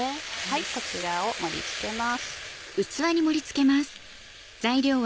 これを盛り付けます。